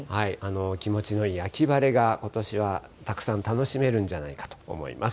気持ちのいい秋晴れが、ことしは、たくさん楽しめるんじゃないかと思います。